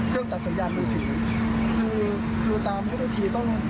เครื่องตัดสัญญาณมือถือคือตามเมื่อที่ต้อง